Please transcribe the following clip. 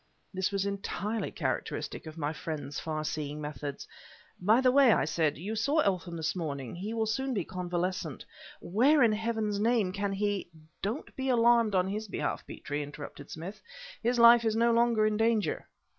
This was entirely characteristic of my friend's farseeing methods. "By the way," I said, "you saw Eltham this morning. He will soon be convalescent. Where, in heaven's name, can he " "Don't be alarmed on his behalf, Petrie," interrupted Smith. "His life is no longer in danger."